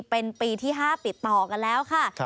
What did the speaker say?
เป็นปีที่๕ติดต่อกันแล้วค่ะ